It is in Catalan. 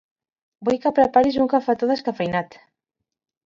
Vull que preparis un cafetó descafeïnat.